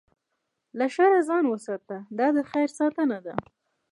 له شره ځان وساته، دا د خیر ساتنه ده.